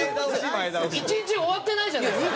１日終わってないじゃないですか！